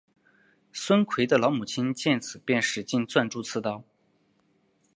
孙奎的老母亲见此便使劲攥住刺刀。